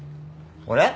俺？